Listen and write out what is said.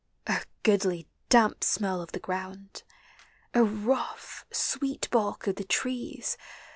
O goodly damp smell of the ground ! O rough sweet bark of the trees